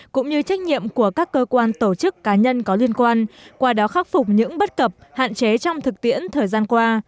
cũng như trách nhiệm của các cơ quan tổ chức cá nhân có liên quan qua đó khắc phục những bất cập hạn chế trong thực tiễn thời gian qua